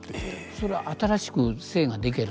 それは新しく姓が出来る？